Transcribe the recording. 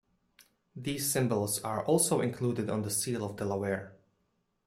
These symbols are also included on the seal of Delaware.